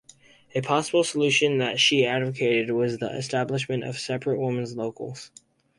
A possible solution that she advocated was the establishment of separate women's locals.